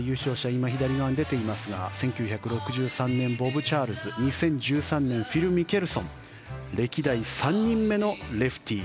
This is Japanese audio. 今、左側に出ていますが１９６３年、ボブ・チャールズ２０１３年、フィル・ミケルソン歴代３人目のレフティー。